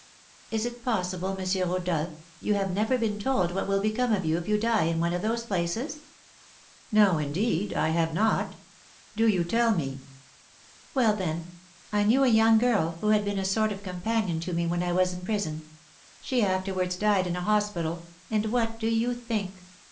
"Is it possible, M. Rodolph, you have never been told what will become of you if you die in one of those places?" "No, indeed, I have not; do you tell me." "Well, then, I knew a young girl, who had been a sort of companion to me when I was in prison; she afterwards died in a hospital, and what do you think?